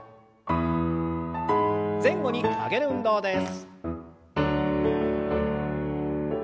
前後に曲げる運動です。